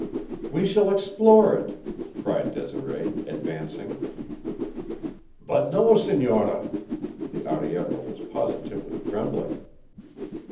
"We shall explore it!" cried Desiree, advancing. "But no, senora!" The arriero was positively trembling.